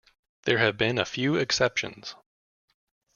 There have been a few exceptions.